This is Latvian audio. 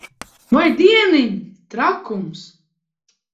Vai dieniņ! Trakums.